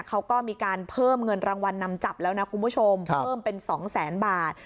เขาก็มีการเพิ่มเงินรางวัลนำจับแล้วนะคุณผู้ชมเพิ่มเป็น๒แสนบาท